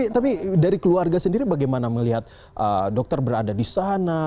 tapi dari keluarga sendiri bagaimana melihat dokter berada di sana